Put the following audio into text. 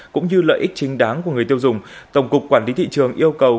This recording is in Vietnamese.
cũng như lợi ích chính đáng của người tiêu dùng tổng cục quản lý thị trường yêu cầu